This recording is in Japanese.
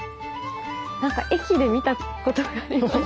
なんか駅で見たことがあります。